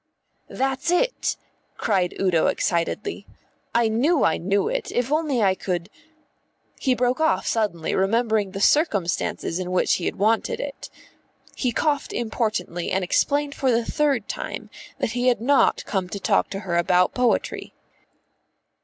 "That's it," cried Udo excitedly. "I knew I knew it, if only I could " He broke off suddenly, remembering the circumstances in which he had wanted it. He coughed importantly and explained for the third time that he had not come to talk to her about poetry.